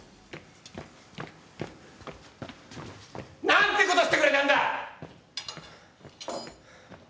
何てことしてくれたんだ！